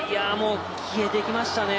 消えていきましたね。